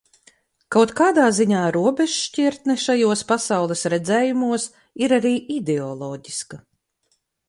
Kaut kādā ziņā robežšķirtne šajos pasaules redzējumos ir arī ideoloģiska.